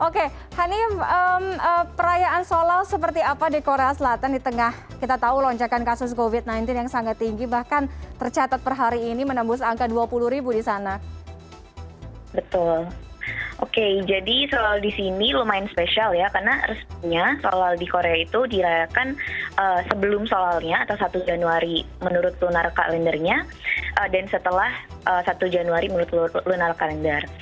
karena resminya solal di korea itu dirayakan sebelum solalnya atau satu januari menurut lunar kalendernya dan setelah satu januari menurut lunar kalendar